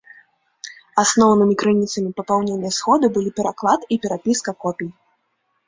Асноўнымі крыніцамі папаўнення сходу былі пераклад і перапіска копій.